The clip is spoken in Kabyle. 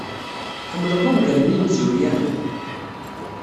Tḥemmled ungalen imezruyanen?